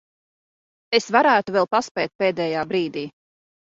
Es varētu vēl paspēt pēdējā brīdī.